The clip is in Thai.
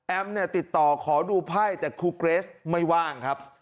แอมติดต่อขอดูภายแต่ครูเกรสไม่ว่างครับ